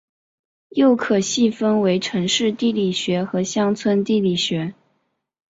又可细分为城市地理学和乡村地理学。